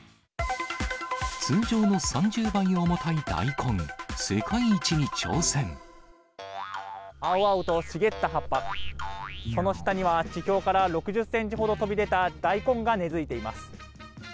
通常の３０倍重たい大根、青々と茂った葉っぱ、その下には地表から６０センチほど飛び出た大根が根づいています。